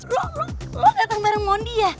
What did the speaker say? lu lu lu datang bareng mondi ya